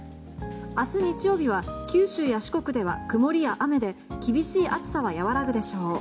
明日、日曜日は九州や四国で曇りや雨で厳しい暑さは和らぐでしょう。